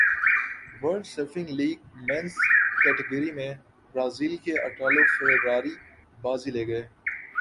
world surfing league men's category میں Brazil کے Italo Ferreira بازی لے گئے